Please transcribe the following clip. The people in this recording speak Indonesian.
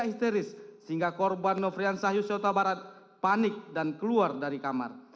putri candrawati berteriak histeris sehingga korban nofrian sahyus yota barat panik dan keluar dari kamar